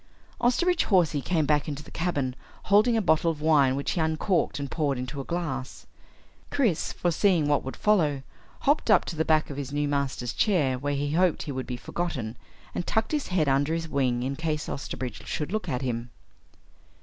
Osterbridge Hawsey came back into the cabin holding a bottle of wine which he uncorked and poured into a glass. Chris, foreseeing what would follow, hopped up to the back of his new master's chair where he hoped he would be forgotten, and tucked his head under his wing in case Osterbridge should look at him.